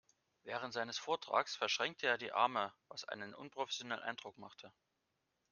Während seines Vortrages verschränkte er die Arme, was einen unprofessionellen Eindruck machte.